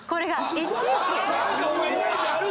何かイメージある！